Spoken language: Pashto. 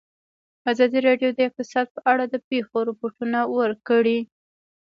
ازادي راډیو د اقتصاد په اړه د پېښو رپوټونه ورکړي.